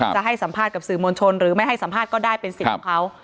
จะให้สัมภาษณ์กับสื่อมวลชนหรือไม่ให้สัมภาษณ์ก็ได้เป็นสิทธิ์ของเขา